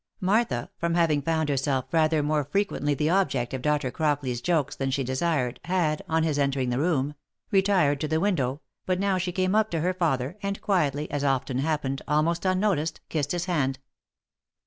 Martha, from having found herself rather more frequently the object of Dr. Crockley's jokes than she desired, had, on his entering the room, retired to the window, but now she came up to her father, and quietly, and as often happened, almost unnoticed, kissed his hand.